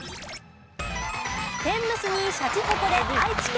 天むすにシャチホコで愛知県。